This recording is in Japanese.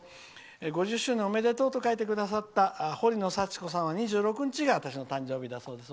「５０周年おめでとう」と書いてくださったほりのさちこさんは、２６日が誕生日だそうです。